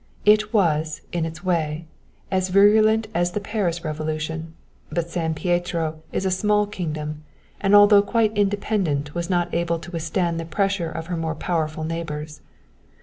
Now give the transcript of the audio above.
It was, in its way, as virulent as the Paris revolution, but San Pietro is a small kingdom, and although quite independent was not able to withstand the pressure of her more powerful neighbours.